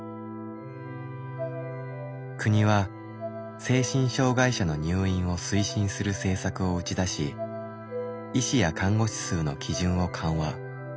国は精神障害者の入院を推進する政策を打ち出し医師や看護師数の基準を緩和。